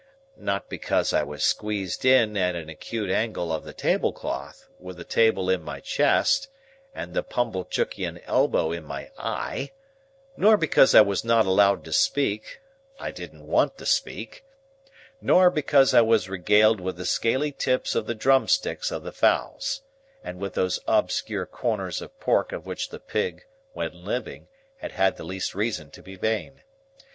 Not because I was squeezed in at an acute angle of the tablecloth, with the table in my chest, and the Pumblechookian elbow in my eye, nor because I was not allowed to speak (I didn't want to speak), nor because I was regaled with the scaly tips of the drumsticks of the fowls, and with those obscure corners of pork of which the pig, when living, had had the least reason to be vain.